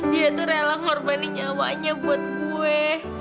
dia tuh rela hurbani nyawanya buat gue